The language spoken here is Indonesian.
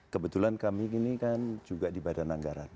kebetulan kami ini kan juga di badan anggaran